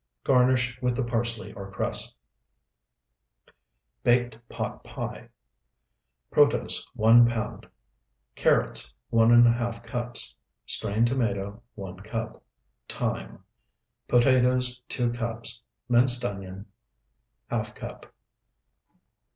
Garnish with the parsley or cress. BAKED POT PIE Protose, 1 pound. Carrots, 1½ cups. Strained tomato, 1 cup. Thyme. Potatoes, 2 cups. Minced onion, ½ cup.